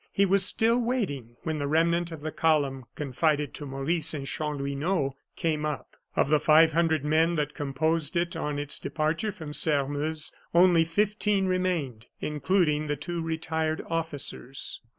He was still waiting when the remnant of the column confided to Maurice and Chanlouineau came up. Of the five hundred men that composed it on its departure from Sairmeuse, only fifteen remained, including the two retired officers.